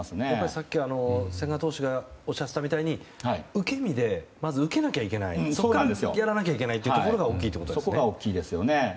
さっき、千賀投手がおっしゃっていたみたいに受け身で受けなきゃいけないやらなきゃいけないというのが大きいということですね。